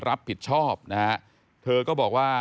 รับผิดชอบนะฮะเธอก็บอกว่า